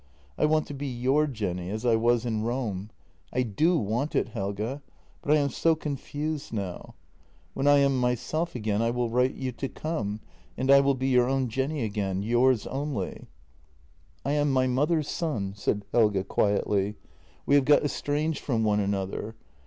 I want to be your Jenny, as I was in Rome. I do want it, Helge, but I am so confused now. When I am myself again I will write you to come, and I will be your own Jenny again — yours only." " I am my mother's son," said Helge quietly. " We have got estranged from one another.